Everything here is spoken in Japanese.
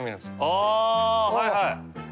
あはいはい。